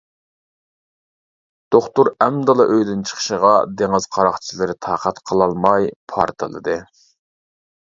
دوختۇر ئەمدىلا ئۆيدىن چىقىشىغا دېڭىز قاراقچىلىرى تاقەت قىلالماي پارتلىدى.